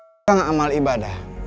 kalau tidak amal ibadah